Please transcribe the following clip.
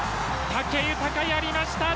武豊、やりました！